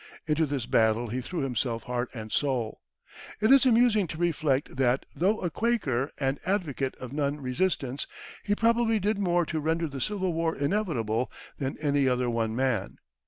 Into this battle he threw himself heart and soul. It is amusing to reflect that, though a Quaker and advocate of non resistance, he probably did more to render the Civil War inevitable than any other one man.